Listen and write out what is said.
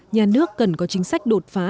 nhà nước cần có chính sách đột phá